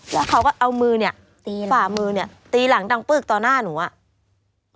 แล้วเขาก็เอามือเนี่ยตีฝ่ามือเนี่ยตีหลังดังปึกต่อหน้าหนูอ่ะ